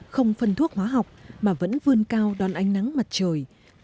không phân thuốc hóa học mà vẫn vươn cao đón ánh nắng mặt trời